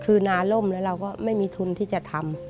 คือนาล่มแล้วเราก็ไม่มีทุนที่จะทำ